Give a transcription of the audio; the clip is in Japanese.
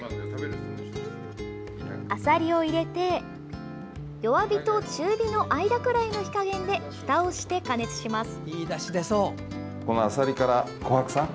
アサリを入れて弱火と中火の間くらいの火加減でふたをして加熱します。